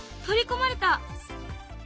取り込まれた。